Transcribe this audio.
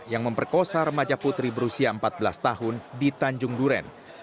yang memperkosa remaja putri berusia empat belas tahun di tanjung duren